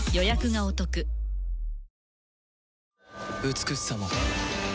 美しさも